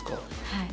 はい。